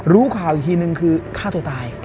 รู้ข่าวอีกทีนึงคือฆ่าตัวตาย